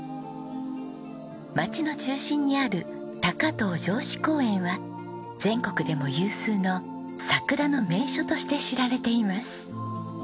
町の中心にある高遠城址公園は全国でも有数の桜の名所として知られています。